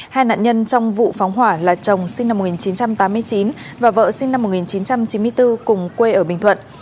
hai nạn nhân trong vụ phóng hỏa là chồng sinh năm một nghìn chín trăm tám mươi chín và vợ sinh năm một nghìn chín trăm chín mươi bốn cùng quê ở bình thuận